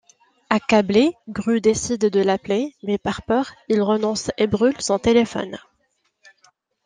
Accablé, Gru décide de l'appeler, mais par peur, il renonce et brûle son téléphone.